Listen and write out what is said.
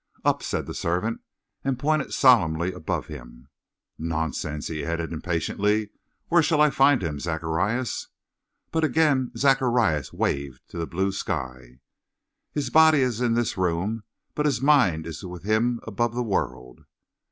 "Up," said the servant, and pointed solemnly above him. "Nonsense!" He added impatiently: "Where shall I find him, Zacharias?" But again Zacharias waved to the blue sky. "His body is in this room, but his mind is with Him above the world."